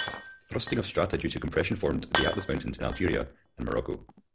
Thrusting of strata due to compression formed the Atlas Mountains in Algeria and Morocco.